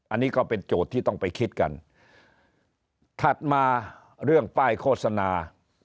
อันนี้ก็เป็นโจทย์ที่ต้องไปคิดกันถัดมาเรื่องป้ายโฆษณา